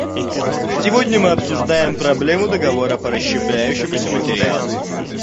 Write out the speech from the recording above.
Сегодня мы обсуждаем проблему договора по расщепляющемуся материалу.